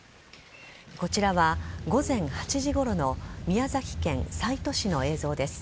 こちらは午前８時ごろの宮崎県西都市の映像です。